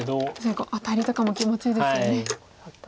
確かにアタリとかも気持ちいいですよね。